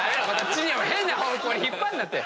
知念を変な方向に引っ張んなって。